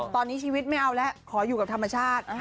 ตอนนี้ชีวิตไม่เอาแล้วขออยู่กับธรรมชาติ